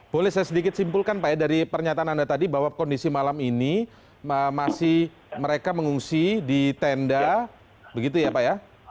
boleh saya sedikit simpulkan pak ya dari pernyataan anda tadi bahwa kondisi malam ini masih mereka mengungsi di tenda begitu ya pak ya